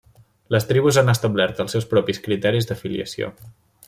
Les tribus han establert els seus propis criteris d'afiliació.